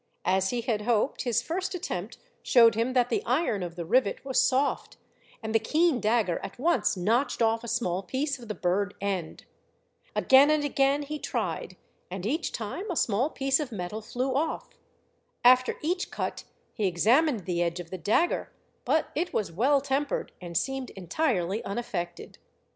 As he had hoped, his first attempt showed him that the iron of the rivet was soft, and the keen dagger at once notched off a small piece of the burred end. Again and again he tried, and each time a small piece of metal flew off. After each cut he examined the edge of the dagger, but it was well tempered, and seemed entirely unaffected.